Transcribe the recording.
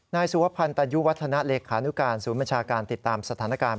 นายสุวพันธัญญุวัฒนะเลขานุการศูนย์บัญชาการติดตามสถานการณ์